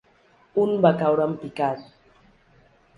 Un va caure en picat